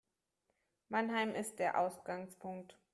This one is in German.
Mannheim ist der Ausgangpunkt